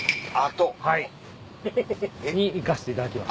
はいに行かせていただきます。